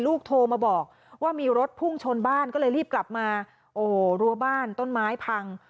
โทรมาบอกว่ามีรถพุ่งชนบ้านก็เลยรีบกลับมาโอ้โหรั้วบ้านต้นไม้พัง